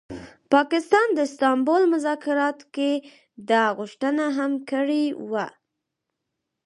پاکستان د استانبول مذاکراتو کي دا غوښتنه هم کړې وه